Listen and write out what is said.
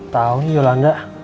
tau nih yolanda